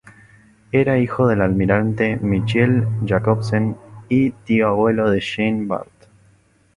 Era hijo del almirante Michiel Jacobsen y tío abuelo de Jean Bart.